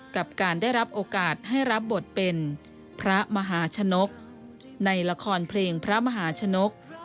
กับการได้รับโอกาสให้รับบทเป็นพระมหาชนกในละครเพลงพระมหาชนก